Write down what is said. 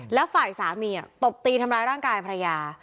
แล้วฝ่ายสามีตบตีทำร้ายร่างกายภรรยา